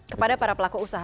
kepada para pelaku usaha